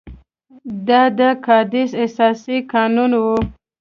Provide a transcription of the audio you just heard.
دا د کادیس اساسي قانون وو.